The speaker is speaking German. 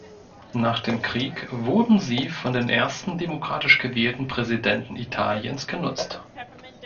Nach dem Krieg wurden sie von den ersten demokratisch gewählten Präsidenten Italiens genutzt.